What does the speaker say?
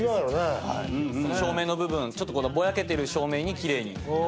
照明の部分ぼやけてる照明に奇麗に。